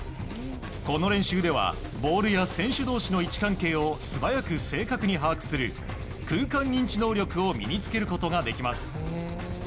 この練習ではボールや選手同士の位置関係を素早く正確に把握する空間認知能力を身に着けることができます。